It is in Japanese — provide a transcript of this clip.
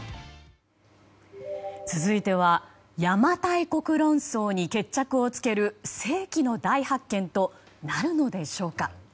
続いては邪馬台国論争に決着をつける世紀の大発見となるのでしょうか。